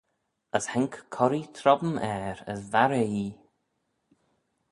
As haink corree trome er as varr eh ee.